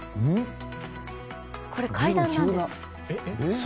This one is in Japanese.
これ、階段なんです。